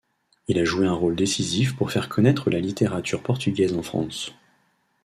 Il a joué un rôle décisif pour faire connaître la littérature portugaise en France.